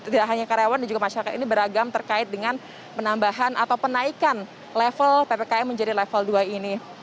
tidak hanya karyawan dan juga masyarakat ini beragam terkait dengan penambahan atau penaikan level ppkm menjadi level dua ini